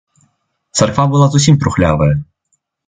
Царква была зусім трухлявая.